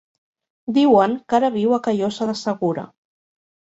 Diuen que ara viu a Callosa de Segura.